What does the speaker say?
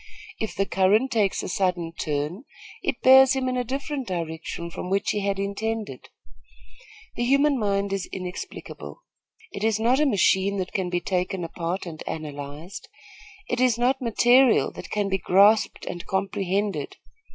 If the current takes a sudden turn, it bears him in a different direction from which he had intended. The human mind is inexplicable. It is not a machine that can be taken apart and analyzed. It is not material that can be grasped and comprehended.